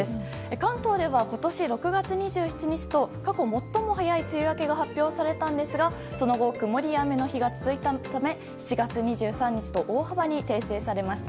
関東では、今年６月２７日と過去最も早い梅雨明けが発表されたんですがその後曇りや雨の日が続いたため７月２３日と大幅に訂正されました。